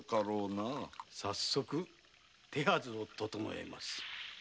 はい早速手はずを整えます。